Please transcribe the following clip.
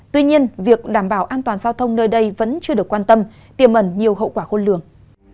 tuy nhiên việc đảm bảo an toàn giao thông nơi đây vẫn chưa được quan tâm tiềm ẩn nhiều hậu quả khôn lường